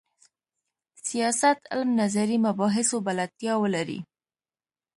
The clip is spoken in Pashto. سیاست علم نظري مباحثو بلدتیا ولري.